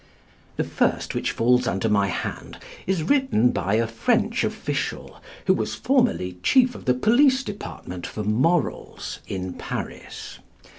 The first which falls under my hand is written by a French official, who was formerly Chief of the Police Department for Morals in Paris.